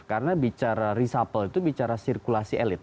karena bicara reshuffle itu bicara sirkulasi elit